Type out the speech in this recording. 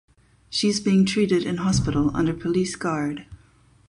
She is being treated in hospital under police guard.